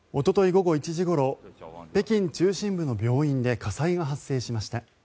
午後１時ごろ北京中心部の病院で火災が発生しました。